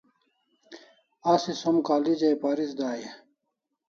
Asi som college ai paris dai e?